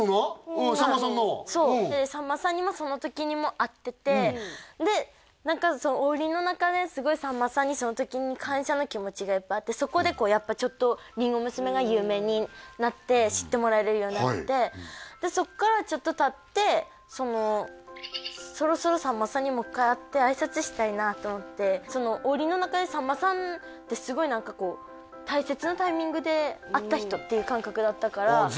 うんさんまさんのそうさんまさんにもその時にも会っててで何か王林の中ですごいさんまさんにその時に感謝の気持ちがいっぱいあってそこでこうやっぱちょっとりんご娘が有名になって知ってもらえるようになってでそっからちょっとたってそのそろそろさんまさんにもう一回会ってあいさつしたいなと思って王林の中でっていう感覚だったからああ